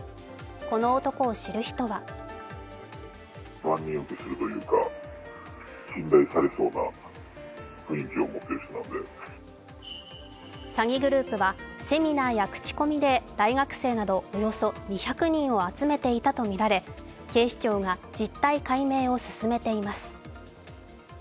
この男を知る人は詐欺グループはセミナーや口コミで大学生など、およそ２００人を集めていたとみられ警視庁が実態解明を進めています。